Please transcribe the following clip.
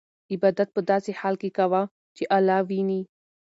عبادت په داسې حال کې کوه چې الله وینې.